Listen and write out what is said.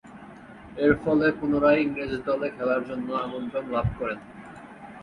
এরফলে পুনরায় ইংরেজ দলে খেলার জন্য আমন্ত্রণ লাভ করেন।